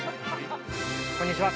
こんにちは